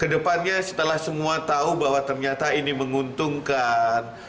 kedepannya setelah semua tahu bahwa ternyata ini menguntungkan